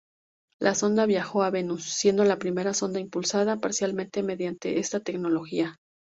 La sonda viajó a Venus, siendo la primera sonda impulsada parcialmente mediante esta tecnología.